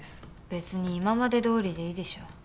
別に今までどおりでいいでしょ。